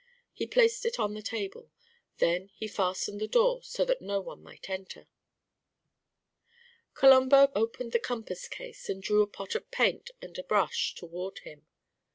He placed it on the table. Then he fastened the door so that none might enter. Colombo opened the compass case, and drew a pot of paint and a brush toward him.